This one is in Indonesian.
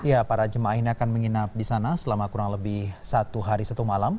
ya para jemaah ini akan menginap di sana selama kurang lebih satu hari satu malam